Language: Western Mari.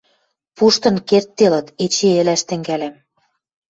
пуштын кердделыт, эче ӹлӓш тӹнгӓлӓм.